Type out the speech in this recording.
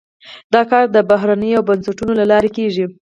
دا کار د بهیرونو او بنسټونو له لارې کیږي.